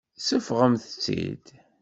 Seffɣemt-tt-id.